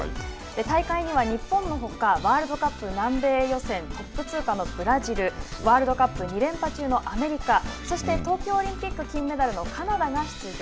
大会には日本のほかワールドカップ南米予選トップのブラジルワールドカップ２連覇中のアメリカそして、東京オリンピック金メダルのカナダが出場。